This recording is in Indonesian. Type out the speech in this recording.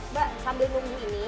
mbak sambil nunggu ini